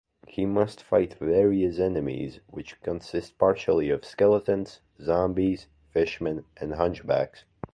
He must fight various enemies which consist partially of skeletons, zombies, fishmen, and hunchbacks.